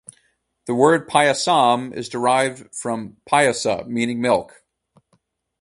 The word "payasam" is derived from "payasa", meaning "milk".